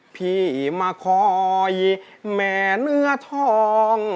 พี่มาคอยแหม่เนื้อทอง